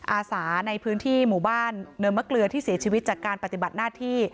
อาสาในพื้นที่หมู่บ้านเนินมะเกลือที่เสียชีวิตจากการปฏิบัติหน้าที่